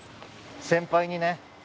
先輩にね